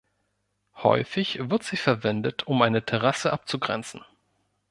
Häufig wird sie verwendet, um eine Terrasse abzugrenzen.